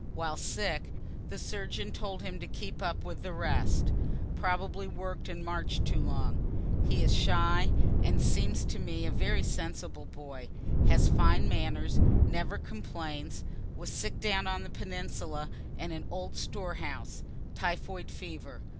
While sick, the surgeon told him to keep up with the rest (probably work'd and march'd too long.) He is a shy, and seems to me a very sensible boy has fine manners never complains was sick down on the peninsula in an old storehouse typhoid fever.